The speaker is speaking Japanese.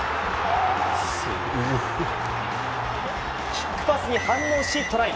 キックパスに反応しトライ。